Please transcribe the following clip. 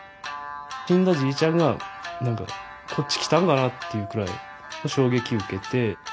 死んだじいちゃんが何かこっち来たんかなっていうくらい衝撃受けて。